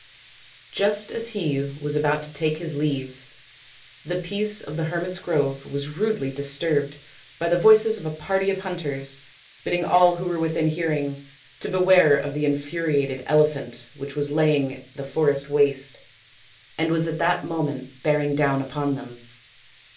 Just as he was about to take his leave the peace of the hermits' grove was rudely disturbed by the voices of a party of hunters bidding all who were within hearing to beware of the infuriated elephant which was laying the forest waste and was at that moment bearing down upon them.